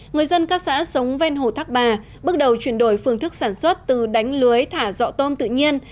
người dân các xã sống ven hồ thác bà bước đầu chuyển đổi phương thức sản xuất từ đánh lưới thả dọ tôm tự nhiên